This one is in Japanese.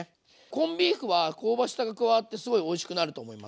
コンビーフは香ばしさが加わってすごいおいしくなると思いますよ。